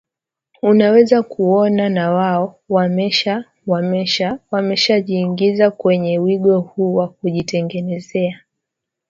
unaweza kuona na wao wamesha wamesha wameshajiigiza kwenye wigo huu na kujitengenezea